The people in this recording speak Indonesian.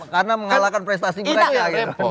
karena mengalahkan prestasi mereka